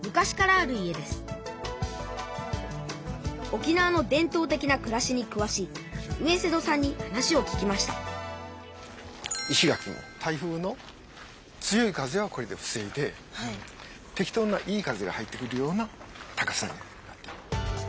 沖縄の伝とう的なくらしにくわしい上勢頭さんに話を聞きました石垣も台風の強い風はこれでふせいでてき当ないい風が入ってくるような高さになってる。